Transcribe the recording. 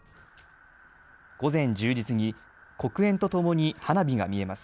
午前１０時過ぎ、黒煙とともに花火が見えます。